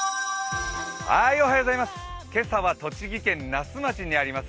今朝は栃木県那須町にあります